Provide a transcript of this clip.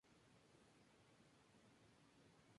No somos ángeles".